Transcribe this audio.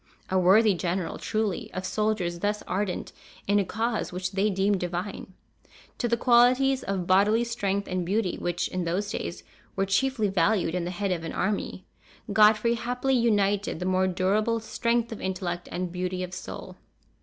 A worthy general, truly, of soldiers thus ardent in a cause which they deemed divine! To the qualities of bodily strength and beauty, which in those days were chiefly valued in the head of an army, Godfrey happily united the more durable strength of intellect and beauty of soul.